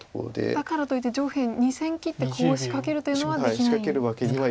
だからといって上辺２線切ってコウを仕掛けるというのはできないんですか。